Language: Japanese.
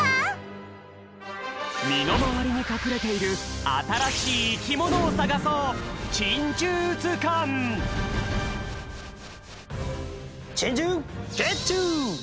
みのまわりにかくれているあたらしいいきものをさがそうチンジューゲッチュ！